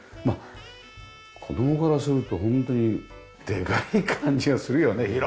まあ子供からすると本当にでかい感じがするよね。